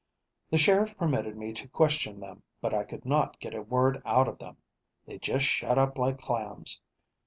The sheriff permitted me to question them, but I could not get a word out of them. They just shut up like clams.